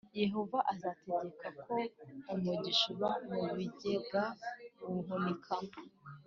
yehova azategeka ko umugisha uba mu bigega uhunikamo